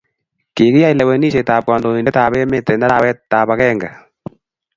kikiyai lewenishet ab kandoindet ab emet en arawet ab agenge .